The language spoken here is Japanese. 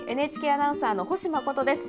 ＮＨＫアナウンサーの星麻琴です。